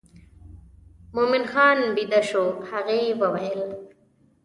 مومن خان بېده شو هغې وویل.